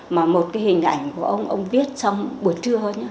mà một cái hình ảnh của ông ông viết xong buổi trưa thôi nhé